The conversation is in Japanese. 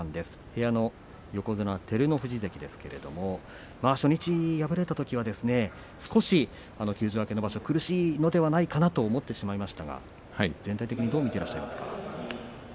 部屋の横綱照ノ富士関ですけれど初日敗れたときは少し休場明けの場所苦しいのではないかなと思ってしまいましたが全体的にどう見ていらっしゃいますか？